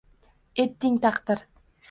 Etding, taqdir